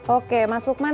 oke mas lukman